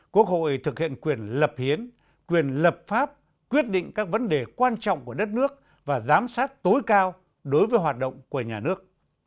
quốc hội thực hiện quyền lập hiến quyền lập pháp quyết định các vấn đề quan trọng của đất nước và giám sát tối cao đối với hoạt động của nhà nước